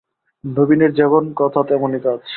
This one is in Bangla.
নবীনের যেমন কথা তেমনি কাজ।